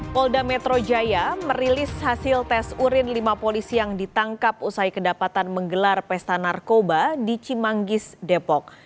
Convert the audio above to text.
polda metro jaya merilis hasil tes urin lima polisi yang ditangkap usai kedapatan menggelar pesta narkoba di cimanggis depok